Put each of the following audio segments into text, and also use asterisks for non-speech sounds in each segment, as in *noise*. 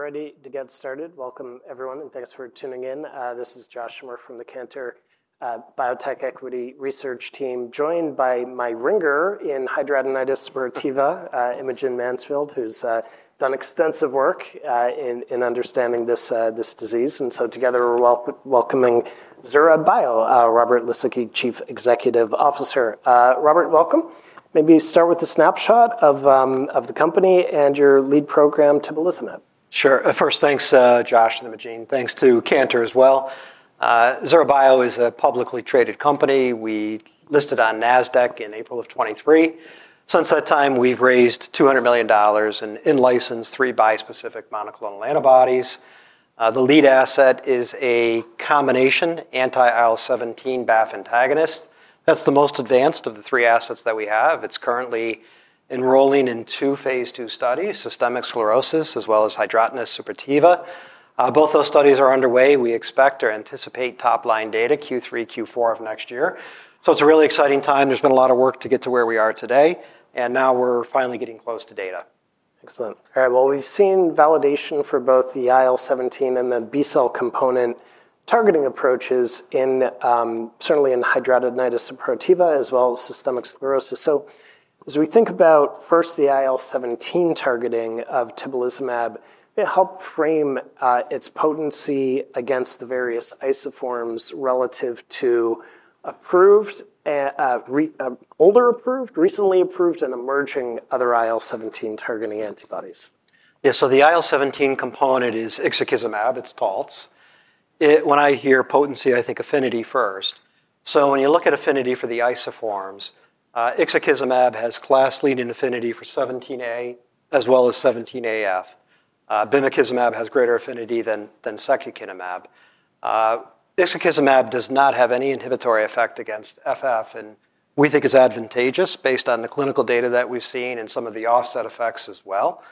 Alright, we're ready to get started. Welcome, everyone, and thanks for tuning in. This is Josh Schimmer from the Cantor Biotech Equity Research Team, joined by Mai Ringer in hidradenitis suppurativa, Imogen Mansfield, who's done extensive work in understanding this disease. Together, we're welcoming Zura Bio, Robert Lisicki, Chief Executive Officer. Robert, welcome. Maybe start with a snapshot of the company and your lead program tibulizumab. Sure. First, thanks, Josh, and Imogen. Thanks to Cantor as well. Zura Bio is a publicly traded company. We listed on NASDAQ in April of 2023. Since that time, we've raised $200 million and in-licensed three bispecific monoclonal antibodies. The lead asset is a combination anti-IL-17 B-cell activating factor antagonist. That's the most advanced of the three assets that we have. It's currently enrolling in two Phase II studies, systemic sclerosis as well as hidradenitis suppurativa. Both those studies are underway. We expect or anticipate top-line data Q3-Q4 of next year. It's a really exciting time. There's been a lot of work to get to where we are today, and now we're finally getting close to data. Excellent. All right. We've seen validation for both the IL-17 and the B-cell component targeting approaches certainly in hidradenitis suppurativa as well as systemic sclerosis. As we think about first the IL-17 targeting of tibulizumab, it helped frame its potency against the various isoforms relative to older approved, recently approved, and emerging other IL-17 targeting antibodies. Yeah, so the IL-17 component is ixekizumab. It's Taltz. When I hear potency, I think affinity first. When you look at affinity for the isoforms, ixekizumab has class-leading affinity for 17A as well as 17AF. Bimekizumab has greater affinity than secukinumab. Ixekizumab does not have any inhibitory effect against FF, and we think is advantageous based on the clinical data that we've seen and some of the offset effects as well.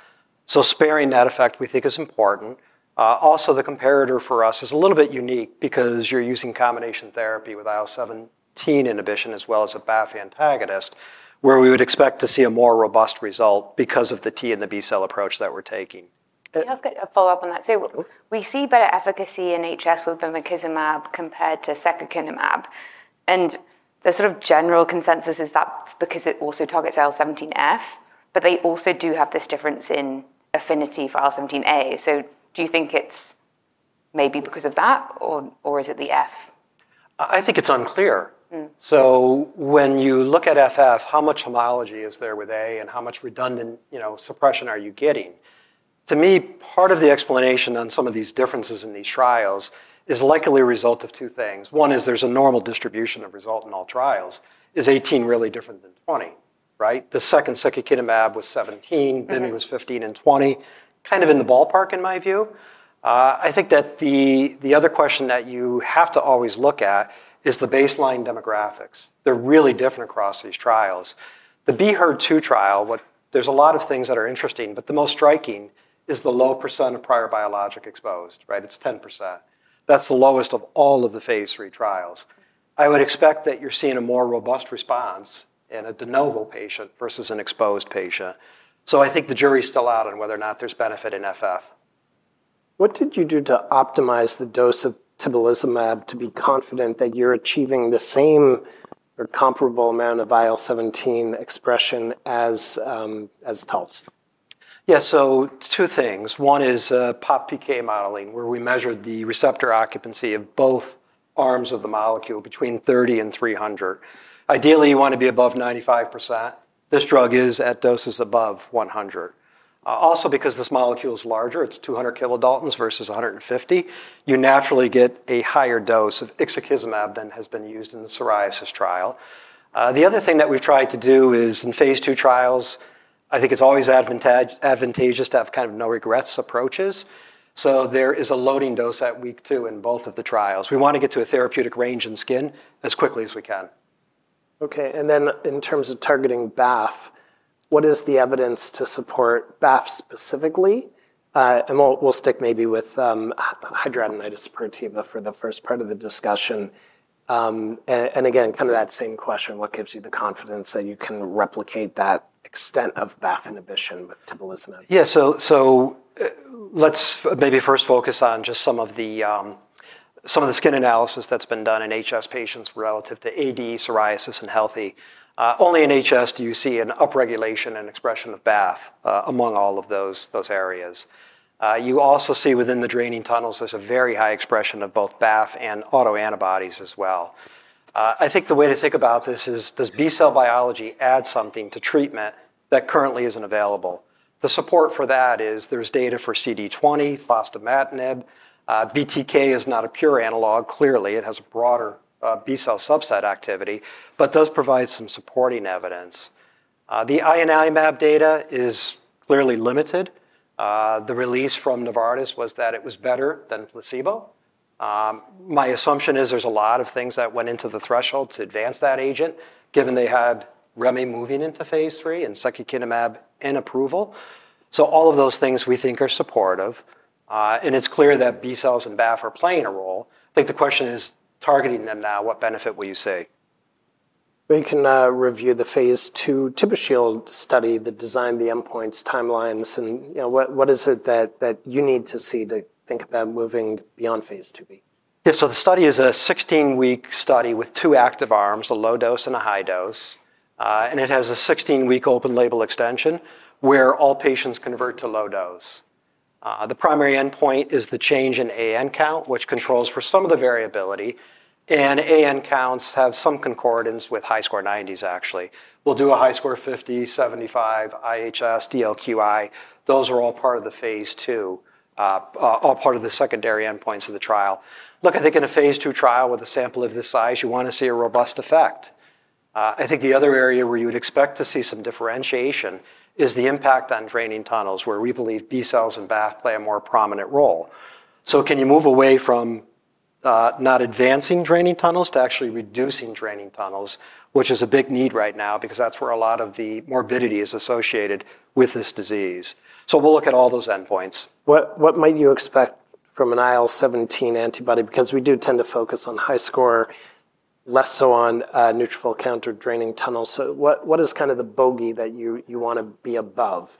Sparing that effect, we think is important. Also, the comparator for us is a little bit unique because you're using combination therapy with IL-17 inhibition as well as a B-cell activating factor antagonist, where we would expect to see a more robust result because of the T and the B-cell approach that we're taking. Can I ask a follow-up on that too? We see better efficacy in HS with Bimekizumab compared to secukinumab. The sort of general consensus is that's because it also targets IL-17F, but they also do have this difference in affinity for IL-17A. Do you think it's maybe because of that, or is it the F? I think it's unclear. When you look at B-cell activating factor, how much homology is there with A, and how much redundant suppression are you getting? To me, part of the explanation on some of these differences in these trials is likely a result of two things. One is there's a normal distribution of result in all trials. Is 18 really different than 20? The second secukinumab was 17, then it was 15 and 20, kind of in the ballpark in my view. I think that the other question that you have to always look at is the baseline demographics. They're really different across these trials. The BHERD2 trial, there's a lot of things that are interesting, but the most striking is the low % of prior biologic exposed. It's 10%. That's the lowest of all of the Phase III trials.I would expect that you're seeing a more robust response in a de novo patient versus an exposed patient. I think the jury's still out on whether or not there's benefit in B-cell activating factor. What did you do to optimize the dose of tibulizumab to be confident that you're achieving the same or comparable amount of IL-17 expression as Cosentyx? Yeah, two things. One is PopPK modeling, where we measured the receptor occupancy of both arms of the molecule between 30 and 300. Ideally, you want to be above 95%. This drug is at doses above 100. Also, because this molecule is larger, it's 200 kilodaltons versus 150 kilodaltons, you naturally get a higher dose of ixekizumab than has been used in the psoriasis trial. The other thing that we've tried to do is in Phase II trials, I think it's always advantageous to have kind of no-regrets approaches. There is a loading dose at week two in both of the trials. We want to get to a therapeutic range in skin as quickly as we can. Okay, and then in terms of targeting BAF, what is the evidence to support BAF specifically? We'll stick maybe with hidradenitis suppurativa for the first part of the discussion. Again, kind of that same question, what gives you the confidence that you can replicate that extent of BAF inhibition with tibulizumab? Yeah, so let's maybe first focus on just some of the skin analysis that's been done in HS patients relative to AD, psoriasis, and healthy. Only in HS do you see an upregulation and expression of BAF among all of those areas. You also see within the draining tunnels, there's a very high expression of both BAF and autoantibodies as well. I think the way to think about this is, does B-cell biology add something to treatment that currently isn't available? The support for that is there's data for CD20, fostamatinib. BTK is not a pure analog, clearly. It has a broader B-cell subset activity, but does provide some supporting evidence. The inebilizumab data is clearly limited. The release from Novartis was that it was better than placebo. My assumption is there's a lot of things that went into the threshold to advance that agent, given they had Remy moving into Phase III and secukinumab in approval. All of those things we think are supportive. It's clear that B cells and B-cell activating factor are playing a role. I think the question is targeting them now, what benefit will you see? We can review the Phase II TibuSHIELD study, the design, the endpoints, timelines, and what is it that you need to see to think about moving beyond Phase II? Yeah, so the study is a 16-week study with two active arms, a low dose and a high dose. It has a 16-week open-label extension where all patients convert to low dose. The primary endpoint is the change in AN count, which controls for some of the variability. AN counts have some concordance with HiSCR 90s, actually. We'll do a HiSCR 50, 75, IHS, DLQI. Those are all part of the Phase II, all part of the secondary endpoints of the trial. I think in a Phase II trial with a sample of this size, you want to see a robust effect. I think the other area where you'd expect to see some differentiation is the impact on draining tunnels, where we believe B cells and BAF play a more prominent role. Can you move away from not advancing draining tunnels to actually reducing draining tunnels, which is a big need right now because that's where a lot of the morbidity is associated with this disease. We'll look at all those endpoints. What might you expect from an IL-17 antibody? We do tend to focus on high score, less so on neutrophil counter draining tunnels. What is kind of the bogey that you want to be above?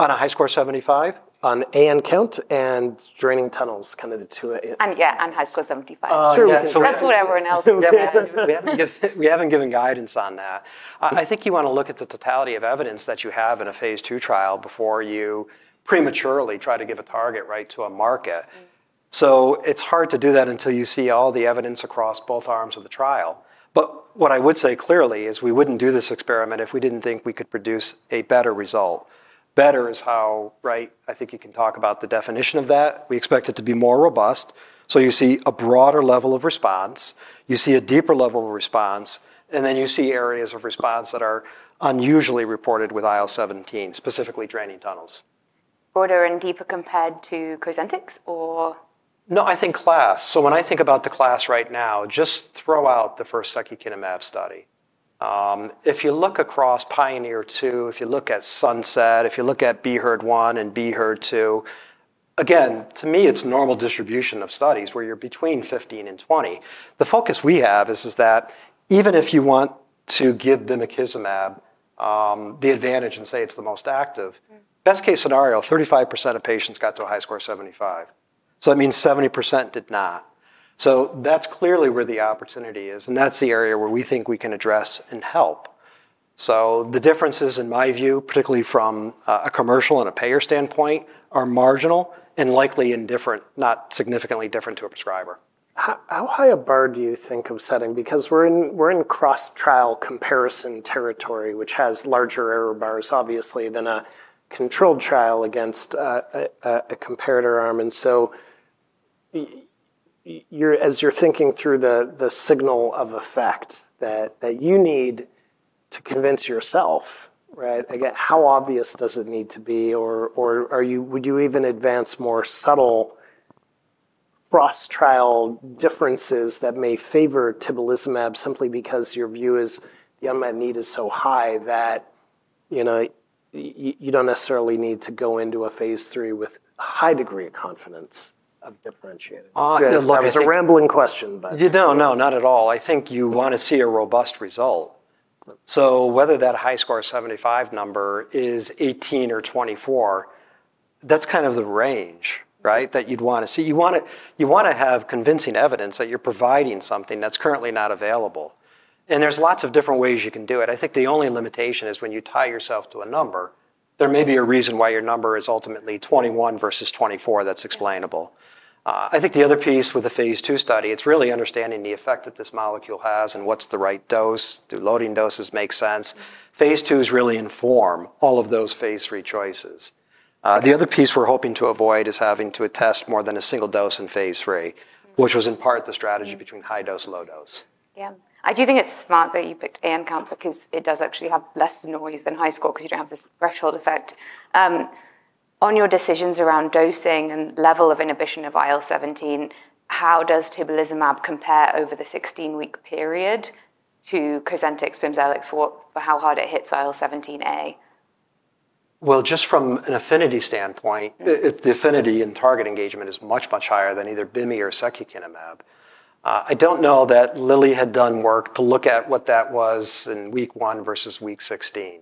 On a high score of 75 on AN count and draining tunnels, kind of the two? Yeah, on high score of 75. True. That's what everyone else. Yeah, we haven't given guidance on that. I think you want to look at the totality of evidence that you have in a Phase II trial before you prematurely try to give a target, right, to a market. It's hard to do that until you see all the evidence across both arms of the trial. What I would say clearly is we wouldn't do this experiment if we didn't think we could produce a better result. Better is how, right, I think you can talk about the definition of that. We expect it to be more robust. You see a broader level of response, a deeper level of response, and then you see areas of response that are unusually reported with IL-17, specifically draining tunnels. Broader and deeper compared to Cosentyx or? No, I think CLASS. When I think about the CLASS right now, just throw out the first secukinumab study. If you look across PIONEER II, if you look at SUNSET, if you look at BHERD1 and BHERD2, to me, it's a normal distribution of studies where you're between 15 and 20. The focus we have is that even if you want to give Bimakizumab the advantage and say it's the most active, best case scenario, 35% of patients got to a high score of 75. That means 70% did not. That's clearly where the opportunity is. That's the area where we think we can address and help. The differences in my view, particularly from a commercial and a payer standpoint, are marginal and likely indifferent, not significantly different to a prescriber. How high a bar do you think of setting? Because we're in cross-trial comparison territory, which has larger error bars, obviously, than a controlled trial against a comparator arm. As you're thinking through the signal of effect that you need to convince yourself, right, I get how obvious does it need to be? Would you even advance more subtle cross-trial differences that may favor tibulizumab simply because your view is the unmet need is so high that you know you don't necessarily need to go into a Phase III with a high degree of confidence of differentiating?I feel like that was a rambling question. No, not at all. I think you want to see a robust result. Whether that high score of 75 number is 18 or 24, that's kind of the range, right, that you'd want to see. You want to have convincing evidence that you're providing something that's currently not available. There are lots of different ways you can do it. I think the only limitation is when you tie yourself to a number, there may be a reason why your number is ultimately 21 versus 24. That's explainable. The other piece with the Phase II study is really understanding the effect that this molecule has and what's the right dose. Do loading doses make sense? Phase IIs really inform all of those Phase III choices. The other piece we're hoping to avoid is having to attest more than a single dose in Phase III, which was in part the strategy between high dose, low dose. Yeah, I do think it's smart that you picked AN count because it does actually have less noise than high score because you don't have this threshold effect. On your decisions around dosing and level of inhibition of IL-17, how does tibulizumab compare over the 16-week period to Cosentyx, Bimzelx, for how hard it hits IL-17A? From an affinity standpoint, the affinity in target engagement is much, much higher than either Cosentyx or secukinumab. I don't know that Lilly had done work to look at what that was in week one versus week 16.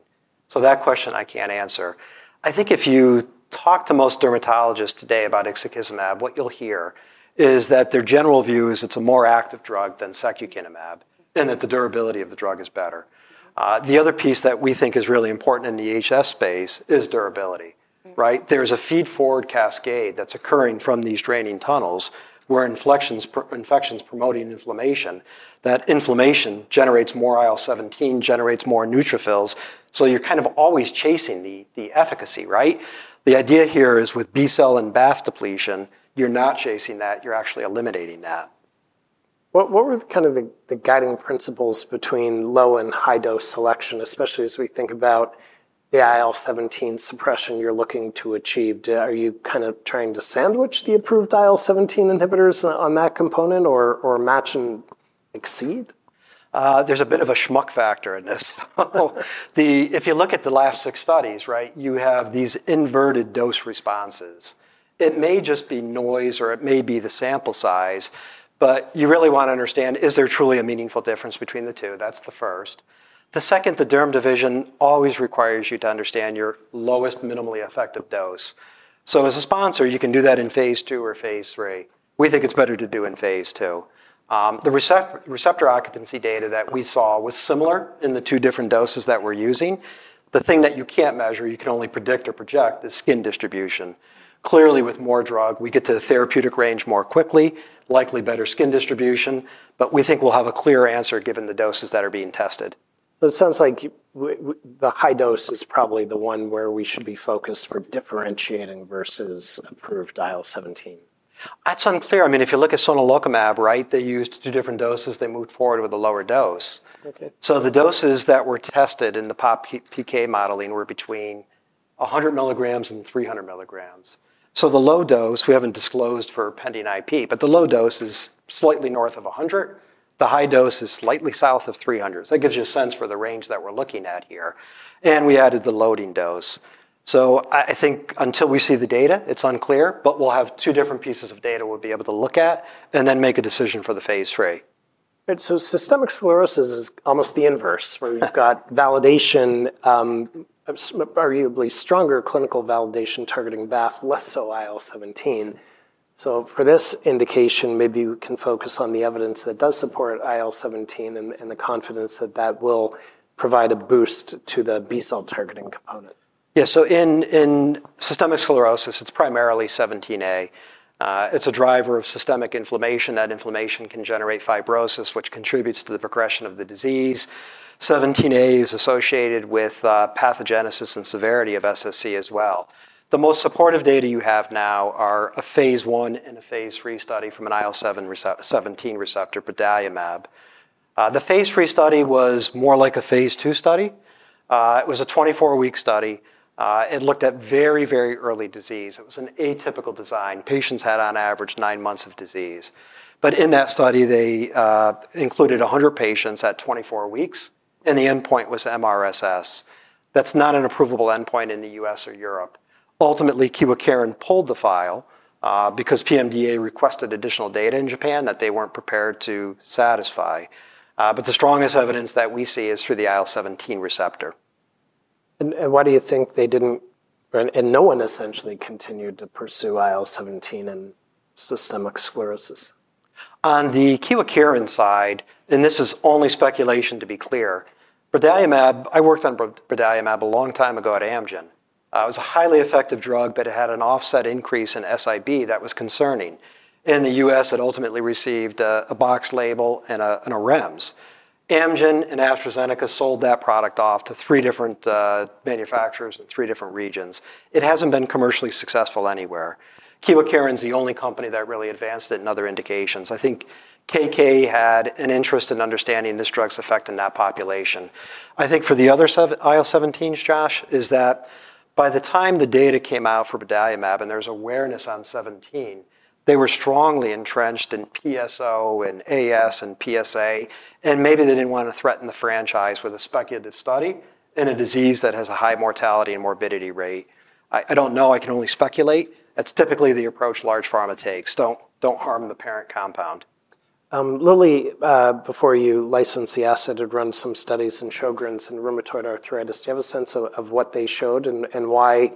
That question I can't answer. I think if you talk to most dermatologists today about ixekizumab, what you'll hear is that their general view is it's a more active drug than secukinumab and that the durability of the drug is better. The other piece that we think is really important in the HS space is durability, right? There's a feedforward cascade that's occurring from these draining tunnels where infections promote inflammation. That inflammation generates more IL-17, generates more neutrophils. You're kind of always chasing the efficacy, right? The idea here is with B cell and BAF depletion, you're not chasing that. You're actually eliminating that. What were kind of the guiding principles between low and high dose selection, especially as we think about the IL-17 suppression you're looking to achieve? Are you kind of trying to sandwich the approved IL-17 inhibitors on that component or match and exceed? There's a bit of a schmuck factor in this. If you look at the last six studies, right, you have these inverted dose responses. It may just be noise or it may be the sample size, but you really want to understand is there truly a meaningful difference between the two? That's the first. The second, the Derm division always requires you to understand your lowest minimally effective dose. As a sponsor, you can do that in Phase II or Phase III. We think it's better to do in Phase II. The receptor occupancy data that we saw was similar in the two different doses that we're using. The thing that you can't measure, you can only predict or project, is skin distribution. Clearly, with more drug, we get to the therapeutic range more quickly, likely better skin distribution, but we think we'll have a clear answer given the doses that are being tested. It sounds like the high dose is probably the one where we should be focused for differentiating versus approved IL-17. That's unclear. I mean, if you look at tibulizumab, right, they used two different doses. They moved forward with a lower dose. The doses that were tested in the PopPK modeling were between 100 mg and 300 mg. The low dose, we haven't disclosed for pending IP, but the low dose is slightly north of 100 mg. The high dose is slightly south of 300 mg. That gives you a sense for the range that we're looking at here. We added the loading dose. I think until we see the data, it's unclear, but we'll have two different pieces of data we'll be able to look at and then make a decision for the Phase III. Right, systemic sclerosis is almost the inverse, where you've got validation, arguably stronger clinical validation targeting B-cell activating factor, less so IL-17. For this indication, maybe you can focus on the evidence that does support IL-17 and the confidence that that will provide a boost to the B cell targeting component. Yeah, so in systemic sclerosis, it's primarily IL-17A. It's a driver of systemic inflammation. That inflammation can generate fibrosis, which contributes to the progression of the disease. IL-17A is associated with pathogenesis and severity of SSc as well. The most supportive data you have now are a Phase I and a Phase III study from an IL-17 receptor, brodalumab. The Phase III study was more like a Phase II study. It was a 24-week study. It looked at very, very early disease. It was an atypical design. Patients had on average nine months of disease. In that study, they included 100 patients at 24 weeks, and the endpoint was MRSS. That's not an approvable endpoint in the U.S. or Europe. Ultimately, Kyowa Kirin pulled the file because PMDA requested additional data in Japan that they weren't prepared to satisfy. The strongest evidence that we see is through the IL-17 receptor. Why do you think they didn't, and no one essentially continued to pursue IL-17 in systemic sclerosis? On the Kyowa Kirin side, and this is only speculation to be clear, Bediumab, I worked on Bediumab a long time ago at Amgen. It was a highly effective drug, but it had an offset increase in SIB that was concerning. In the U.S., it ultimately received a box label and a REMS. Amgen and AstraZeneca sold that product off to three different manufacturers in three different regions. It hasn't been commercially successful anywhere. Kyowa Kirin is the only company that really advanced it in other indications. I think KK had an interest in understanding this drug's effect in that population.I think for the other IL-17s, Josh, is that by the time the data came out for Bediumab and there's awareness on 17, they were strongly entrenched in PSO and AS and PSA, and maybe they didn't want to threaten the franchise with a speculative study in a disease that has a high mortality and morbidity rate. I don't know. I can only speculate. That's typically the approach large pharma takes. Don't harm the parent compound. Lilly, before you licensed the asset, had run some studies in Sjogren's and rheumatoid arthritis. Do you have a sense of what they showed and why,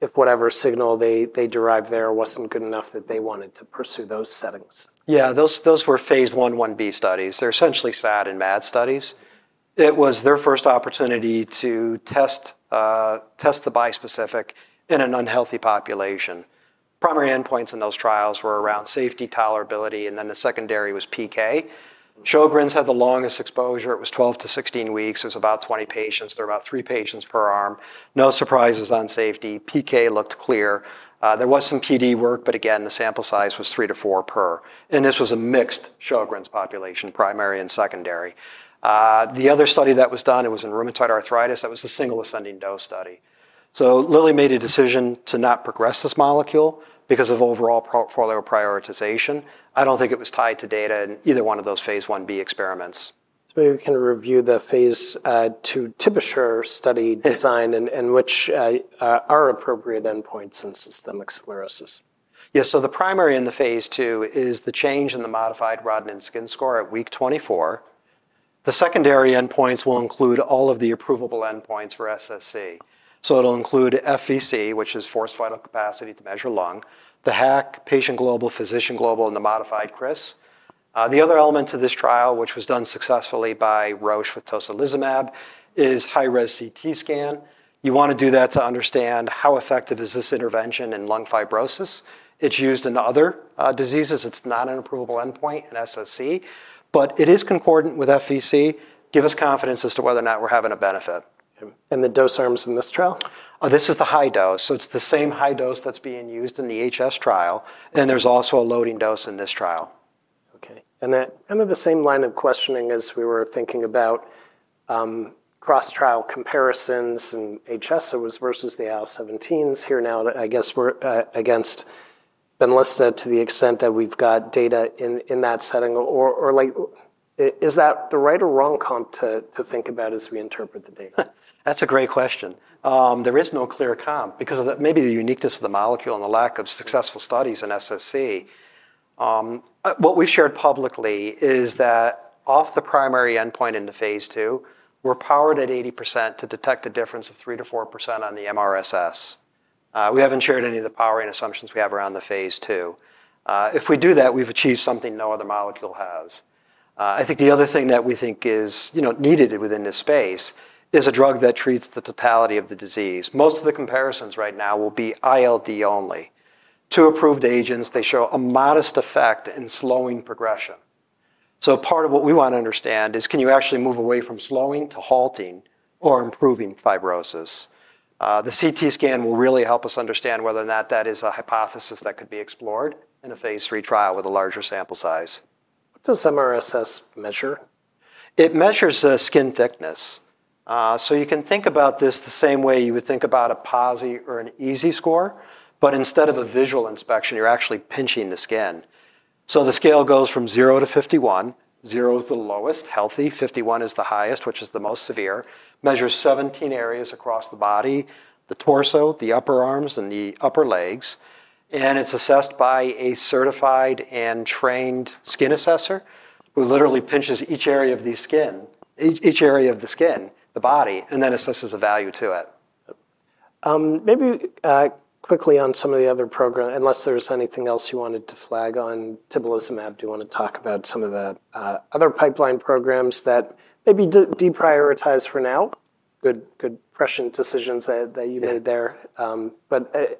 if whatever signal they derived there wasn't good enough that they wanted to pursue those settings? Yeah, those were Phase I, IB studies. They're essentially SAD and MAD studies. It was their first opportunity to test the bispecific in an unhealthy population. Primary endpoints in those trials were around safety, tolerability, and then the secondary was PK. Sjogren's had the longest exposure. It was 12-6 weeks. It was about 20 patients. There were about three patients per arm. No surprises on safety. PK looked clear. There was some PD work, but again, the sample size was three to four per, and this was a mixed Sjogren's population, primary and secondary. The other study that was done, it was in rheumatoid arthritis. That was a single ascending dose study. Lilly made a decision to not progress this molecule because of overall portfolio prioritization. I don't think it was tied to data in either one of those Phase IB experiments. Maybe we can review the Phase II TibuSHIELD study design and which are appropriate endpoints in systemic sclerosis. Yeah, so the primary in the Phase II is the change in the modified Rodnan skin score at week 24. The secondary endpoints will include all of the approvable endpoints for SSc. It'll include FVC, which is forced vital capacity to measure lung, the HAC, patient global, physician global, and the modified CRIS. The other element to this trial, which was done successfully by Roche with tocilizumab, is high-res CT scan. You want to do that to understand how effective is this intervention in lung fibrosis. It's used in other diseases. It's not an approvable endpoint in SSc, but it is concordant with FVC. Give us confidence as to whether or not we're having a benefit. are the dose arms in this trial? This is the high dose. It's the same high dose that's being used in the HS trial, and there's also a loading dose in this trial. Okay. Kind of the same line of questioning as we were thinking about cross-trial comparisons in HS versus the IL-17s here now, I guess we're against Benlysta to the extent that we've got data in that setting. Is that the right or wrong comp to think about as we interpret the data? That's a great question. There is no clear comp because of maybe the uniqueness of the molecule and the lack of successful studies in SSc. What we've shared publicly is that off the primary endpoint in the Phase II, we're powered at 80% to detect a difference of 3%-4% on the modified Rodnan skin score. We haven't shared any of the powering assumptions we have around the Phase II. If we do that, we've achieved something no other molecule has. I think the other thing that we think is needed within this space is a drug that treats the totality of the disease. Most of the comparisons right now will be ILD only. Two approved agents, they show a modest effect in slowing progression. Part of what we want to understand is can you actually move away from slowing to halting or improving fibrosis? The CT scan will really help us understand whether or not that is a hypothesis that could be explored in a Phase III trial with a larger sample size. does MRSS? It measures skin thickness. You can think about this the same way you would think about a PASI or an EASI score, but instead of a visual inspection, you're actually pinching the skin. The scale goes from 0-51. 0 is the lowest healthy, 51 is the highest, which is the most severe. It measures 17 areas across the body, the torso, the upper arms, and the upper legs. It's assessed by a certified and trained skin assessor who literally pinches each area of the skin, the body, and then assesses a value to it. Maybe quickly on some of the other programs, unless there's anything else you wanted to flag on tibulizumab, do you want to talk about some of the other pipeline programs that may be deprioritized for now? Good, good, fresh decisions that you made there.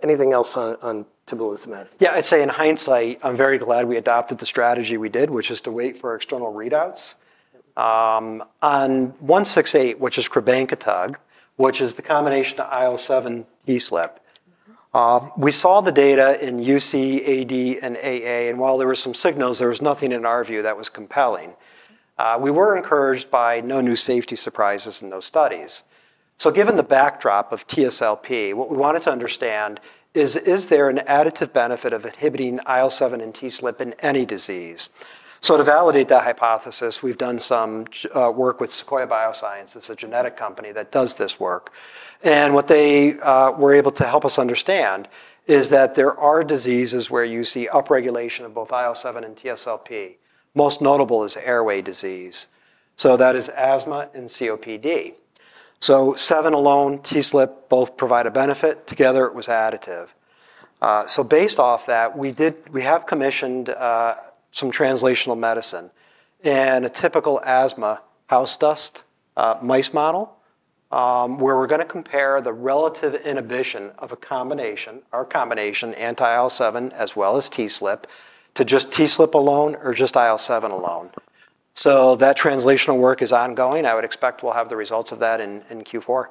Anything else on tibulizumab? Yeah, I say in hindsight, I'm very glad we adopted the strategy we did, which is to wait for external readouts. On 168, which is crebankitug, which is the combination of IL-7 and TSLP, we saw the data in UC, AD, and AA, and while there were some signals, there was nothing in our view that was compelling. We were encouraged by no new safety surprises in those studies. Given the backdrop of TSLP, what we wanted to understand is, is there an additive benefit of inhibiting IL-7 and TSLP in any disease? To validate that hypothesis, we've done some work with Sequoia Bioscience, it's a genetics company that does this work. What they were able to help us understand is that there are diseases where you see upregulation of both IL-7 and TSLP. Most notable is airway disease. That is asthma and COPD. IL-7 alone, TSLP both provide a benefit, together, it was additive. Based off that, we have commissioned some translational medicine and a typical asthma house dust mice model, where we're going to compare the relative inhibition of a combination, our combination, anti-IL-7 as well as TSLP to just TSLP alone or just IL-7 alone. That translational work is ongoing. I would expect we'll have the results of that in Q4.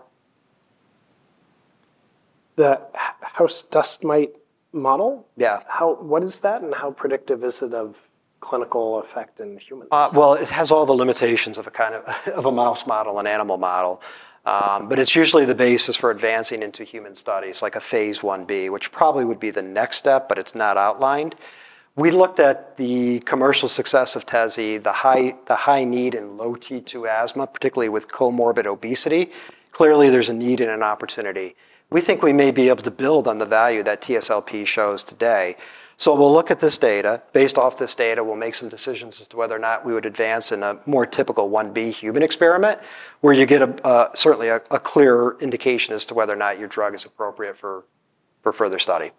The house dust mite model? Yeah. What is that, and how predictive is it of clinical effect in humans? It has all the limitations of a kind of a mouse model, an animal model. It's usually the basis for advancing into human studies, like a Phase IB, which probably would be the next step, but it's not outlined. We looked at the commercial success of TEZI, the high need in low T2 asthma, particularly with comorbid obesity. Clearly, there's a need and an opportunity. We think we may be able to build on the value that TSLP shows today. We'll look at this data. Based off this data, we'll make some decisions as to whether or not we would advance in a more typical IB human experiment, where you get certainly a clear indication as to whether or not your drug is appropriate for further study.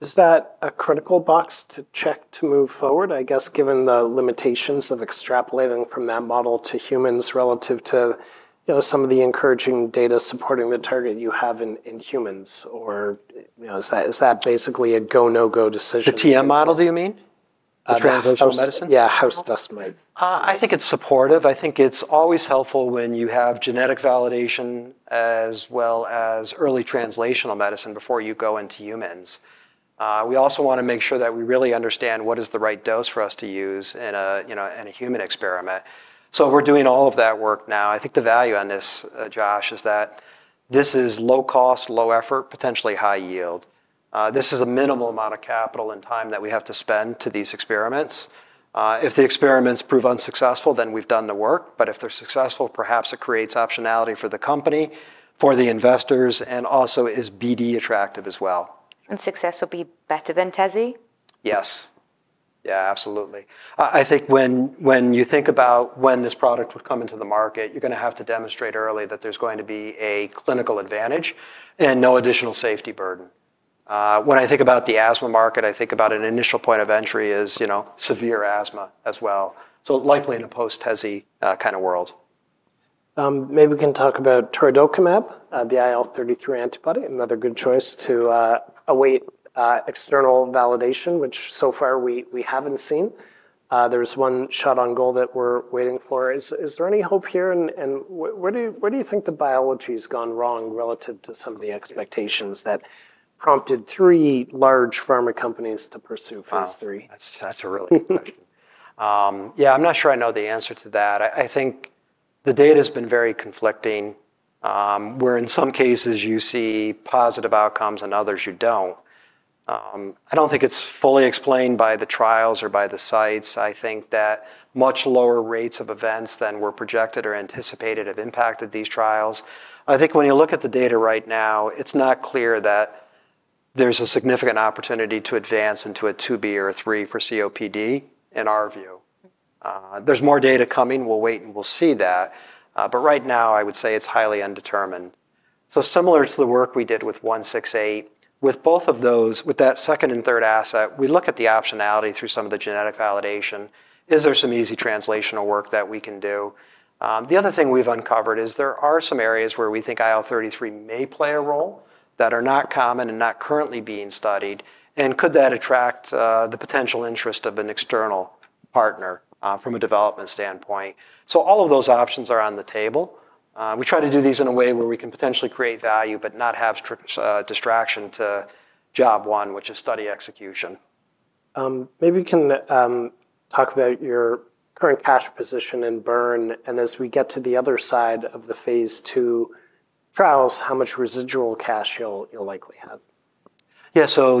Is that a critical box to check to move forward? I guess given the limitations of extrapolating from that model to humans relative to some of the encouraging data supporting the target you have in humans, is that basically a go/no-go decision? The TM model, do you mean? The translational medicine? Yeah, house dust mite. I think it's supportive. I think it's always helpful when you have genetic validation as well as early translational medicine before you go into humans. We also want to make sure that we really understand what is the right dose for us to use in a human experiment. We're doing all of that work now. I think the value on this, Josh, is that this is low cost, low effort, potentially high yield. This is a minimal amount of capital and time that we have to spend to these experiments. If the experiments prove unsuccessful, we've done the work. If they're successful, perhaps it creates optionality for the company, for the investors, and also is BD attractive as well. Will success be better than TEZI? Yes, absolutely. I think when you think about when this product will come into the market, you're going to have to demonstrate early that there's going to be a clinical advantage and no additional safety burden. When I think about the asthma market, I think about an initial point of entry is severe asthma as well, likely in a post-TEZI kind of world. Maybe we can talk about torudokimab, the IL-33 antibody, another good choice to await external validation, which so far we haven't seen. There's one shot on goal that we're waiting for. Is there any hope here? Where do you think the biology has gone wrong relative to some of the expectations that prompted three large pharma companies to pursue Phase III? That's a really good question. I'm not sure I know the answer to that. I think the data has been very conflicting, where in some cases you see positive outcomes and others you don't. I don't think it's fully explained by the trials or by the sites. I think that much lower rates of events than were projected or anticipated have impacted these trials. When you look at the data right now, it's not clear that there's a significant opportunity to advance into a IIB or III for COPD in our view. There's more data coming. We'll wait and we'll see that. Right now, I would say it's highly undetermined. Similar to the work we did with 168, with both of those, with that second and third asset, we look at the optionality through some of the genetic validation. Is there some easy translational work that we can do? The other thing we've uncovered is there are some areas where we think IL-33 may play a role that are not common and not currently being studied. Could that attract the potential interest of an external partner from a development standpoint? All of those options are on the table. We try to do these in a way where we can potentially create value but not have distraction to job one, which is study execution. Maybe we can talk about your current cash position in Zura Bio. As we get to the other side of the Phase II trials, how much residual cash you'll likely have? Yeah, so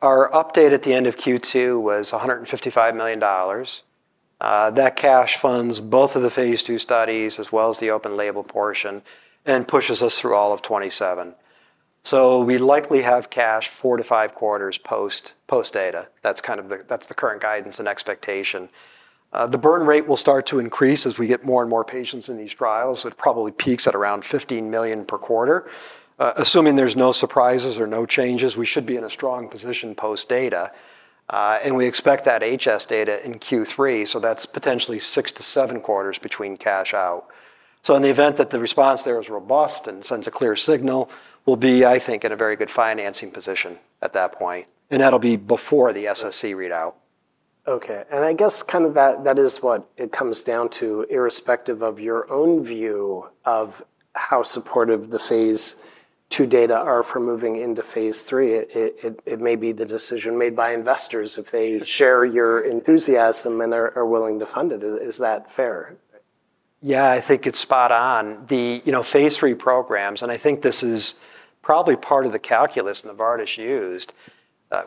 our update at the end of Q2 was $155 million. That cash funds both of the Phase II studies as well as the open-label portion and pushes us through all of 2027. We likely have cash four to five quarters post data. That's kind of the current guidance and expectation. The burn rate will start to increase as we get more and more patients in these trials. It probably peaks at around $15 million per quarter. Assuming there's no surprises or no changes, we should be in a strong position post data. We expect that HS data in Q3. That's potentially six to seven quarters between cash out. In the event that the response there is robust and sends a clear signal, we'll be, I think, in a very good financing position at that point. That'll be before the SSc readout. Okay. I guess that is what it comes down to, irrespective of your own view of how supportive the Phase II data are for moving into Phase III. It may be the decision made by investors if they share your enthusiasm and are willing to fund it. Is that fair? Yeah, I think it's spot on. The Phase III programs, and I think this is probably part of the calculus Novartis used,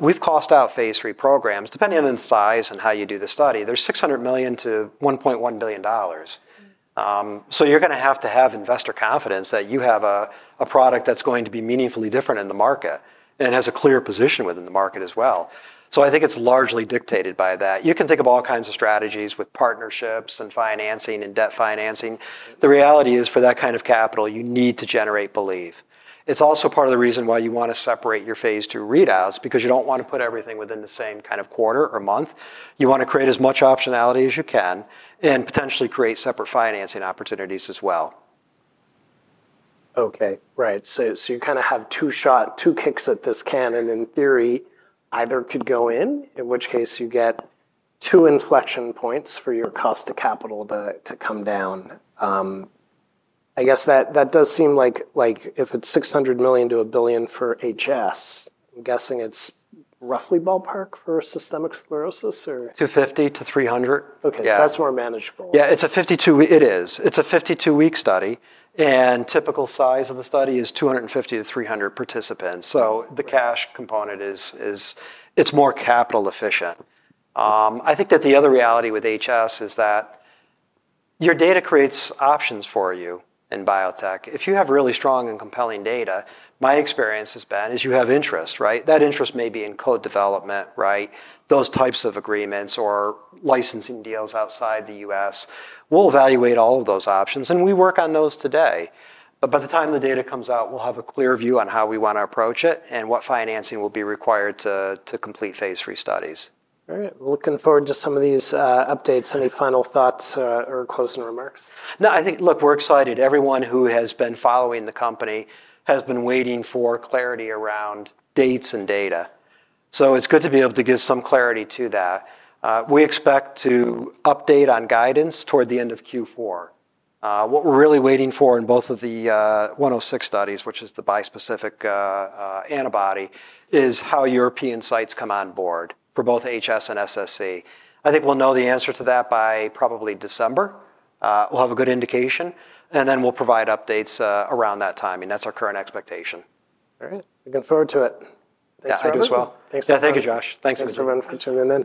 we've cost out Phase III programs depending on the size and how you do the study. There's $600 million-$1.1 billion. You're going to have to have investor confidence that you have a product that's going to be meaningfully different in the market and has a clear position within the market as well. I think it's largely dictated by that. You can think of all kinds of strategies with partnerships and financing and debt financing. The reality is for that kind of capital, you need to generate belief. It's also part of the reason why you want to separate your Phase II readouts because you don't want to put everything within the same kind of quarter or month. You want to create as much optionality as you can and potentially create separate financing opportunities as well. Okay, right. You kind of have two shots, two kicks at this cannon. In theory, either could go in, in which case you get two inflection points for your cost of capital to come down. I guess that does seem like if it's $600 million to $1 billion for HS, I'm guessing it's roughly ballpark for systemic sclerosis or? 250 to 300. Okay, that's more manageable. Yeah, it's a 52-week study. The typical size of the study is 250 to 300 participants. The cash component is more capital efficient. I think that the other reality with HS is that your data creates options for you in biotech. If you have really strong and compelling data, my experience has been you have interest, right? That interest may be in co-development, those types of agreements or licensing deals outside the U.S. We'll evaluate all of those options, and we work on those today. By the time the data comes out, we'll have a clear view on how we want to approach it and what financing will be required to complete Phase III studies. All right. Looking forward to some of these updates. Any final thoughts or closing remarks? No, I think, look, we're excited. Everyone who has been following the company has been waiting for clarity around dates and data. It's good to be able to give some clarity to that. We expect to update on guidance toward the end of Q4. What we're really waiting for in both of the 106 studies, which is the bispecific monoclonal antibody, is how European sites come on board for both hidradenitis suppurativa and systemic sclerosis. I think we'll know the answer to that by probably December. We'll have a good indication, and then we'll provide updates around that time. That's our current expectation. All right, looking forward to it. Thanks, Lilly. *crosstalk* Yeah, thank you, Josh. Thanks for coming.